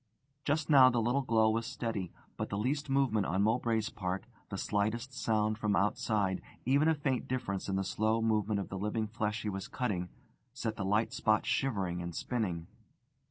Just now the little glow was steady; but the least movement on Mowbray's part, the slightest sound from outside, even a faint difference in the slow movement of the living flesh he was cutting, set the light spot shivering and spinning.